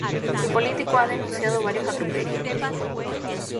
El político ha denunciado varios atropellos.